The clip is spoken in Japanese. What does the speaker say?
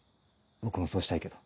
僕もそうしたいけど。